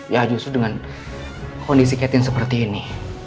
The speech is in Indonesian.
ya justru dengan kondisi catin seperti ini